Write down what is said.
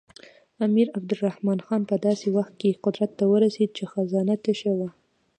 امیر عبدالرحمن خان په داسې وخت کې قدرت ته ورسېد چې خزانه تشه وه.